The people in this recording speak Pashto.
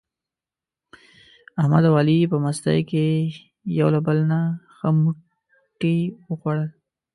احمد او علي په مستۍ کې یو له بل نه ښه موټي و خوړل.